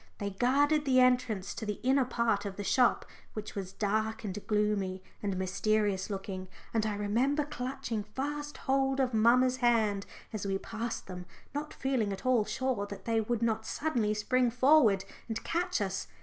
They guarded the entrance to the inner part of the shop, which was dark and gloomy and mysterious looking, and I remember clutching fast hold of mamma's hand as we passed them, not feeling at all sure that they would not suddenly spring forward and catch us.